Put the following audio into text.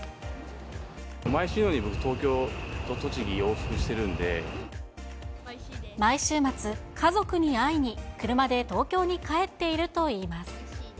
毎週のように僕、毎週末、家族に会いに、車で東京に帰っているといいます。